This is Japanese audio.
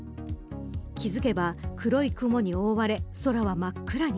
気付けば黒い雲に覆われ空は真っ暗に。